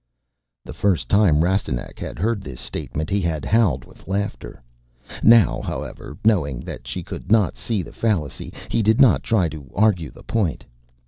The first time Rastignac had heard this statement he had howled with laughter. Now, however, knowing that she could not see the fallacy, he did not try to argue the point.